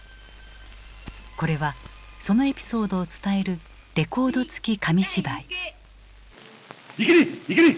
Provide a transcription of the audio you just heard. これはそのエピソードを伝えるレコード付き紙芝居。